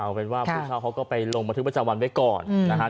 เอาเป็นว่าผู้ชาวเขาก็ไปลงมาถึงประจำวันไว้ก่อนนะฮะ